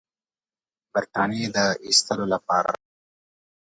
برټانیې د ایستلو لپاره.